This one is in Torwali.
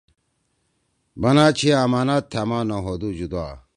بنا چھی آمنات تھأما نہ ہودُو جُدا